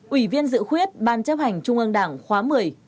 ủy viên dự khuyết ban chấp hành trung ương đảng khóa một mươi